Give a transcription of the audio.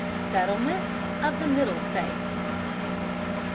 SETTLEMENT OF THE MIDDLE STATES.